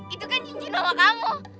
itu kan cincin mama kamu